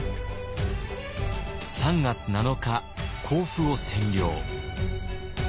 ３月７日甲府を占領。